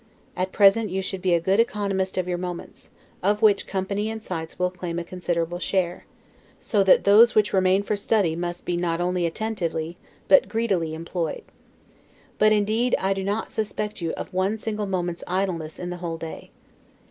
At present you should be a good economist of your moments, of which company and sights will claim a considerable share; so that those which remain for study must be not only attentively, but greedily employed. But indeed I do not suspect you of one single moment's idleness in the whole day.